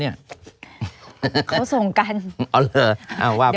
เขาส่งกันเอาเหรอว่าไป